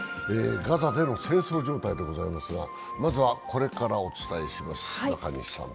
ガザでの戦争状態でございますがまずはこれからお伝えします。